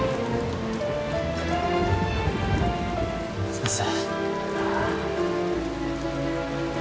先生。